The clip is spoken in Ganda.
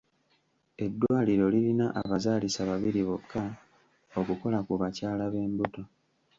Eddwaliro lirina abazaalisa babiri bokka okukola ku bakyala b'embuto.